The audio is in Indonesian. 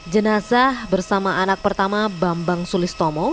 jenazah bersama anak pertama bambang sulistomo